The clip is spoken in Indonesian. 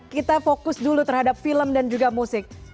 kita fokus dulu terhadap film dan juga musik